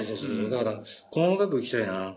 だから細かくいきたいな。